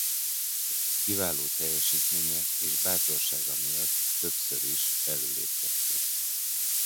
Kiváló teljesítménye és bátorsága miatt többször is előléptették.